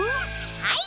はい。